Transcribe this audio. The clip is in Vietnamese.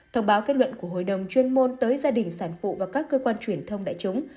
thông báo kết luận của hội đồng chuyên môn tới gia đình sản phụ và các cơ quan truyền thông đại chúng